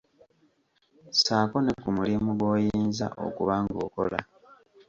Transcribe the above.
Ssaako ne ku mulimu gy'oyinza okuba ng'okola.